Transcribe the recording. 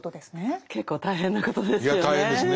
結構大変なことですよね。